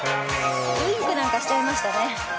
ウインクなんかしちゃいましたね。